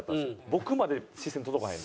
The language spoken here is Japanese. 僕まで視線届かへん。